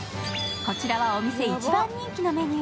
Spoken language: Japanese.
こちらはお店一番人気のメニュー。